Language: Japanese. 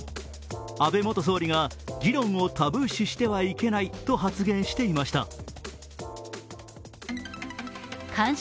安倍元総理が議論をタブー視してはいけないと発言していました。